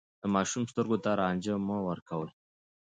د ماشوم سترګو ته رنجې مه ورکوئ.